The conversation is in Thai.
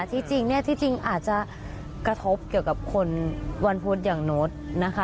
ที่จริงอาจจะกระทบเกี่ยวกับคนวรรพุทธอย่างนุษย์นะคะ